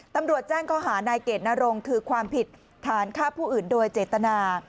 ตำรวจแจ้งข้อหานายเกดนรงคือความผิดฐานฆ่าผู้อื่นโดยเจตนา